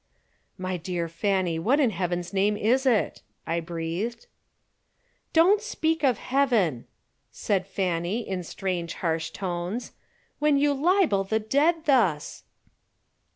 "My dear Fanny, what in Heaven's name is it?" I breathed. "Don't speak of Heaven," said Fanny, in strange, harsh tones, "when you libel the dead thus."